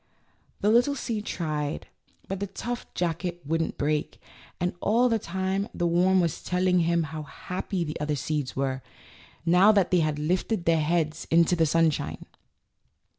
The little seed tried, but the tough jacket wouldn't break; and all the time the worm was telling him how happy the other seeds were, now that they had lifted their heads into the sunshine.